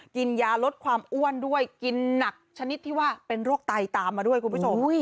กินยาลดความอ้วนด้วยกินหนักชนิดที่ว่าเป็นโรคไตตามมาด้วยคุณผู้ชม